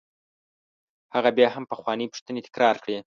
هغه بیا هم پخوانۍ پوښتنې تکرار کړې.